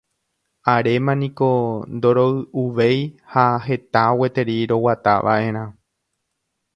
Aréma niko ndoroy'uvéi ha heta gueteri roguatava'erã.